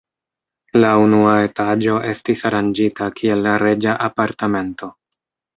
La unua etaĝo estis aranĝita kiel reĝa apartamento.